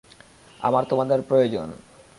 আমার তোমাদের প্রয়োজন।